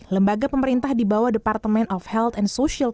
lembaga pemerintah di bawah department of health and society